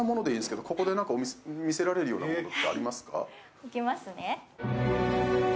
いきますね。